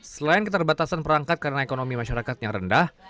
selain keterbatasan perangkat karena ekonomi masyarakatnya rendah